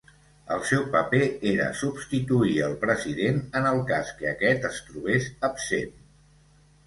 El seu paper era substituir el President en el cas que aquest es trobés absent.